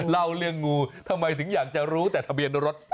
เล่าเรื่องงูทำไมถึงอยากจะรู้แต่ทะเบียนรถ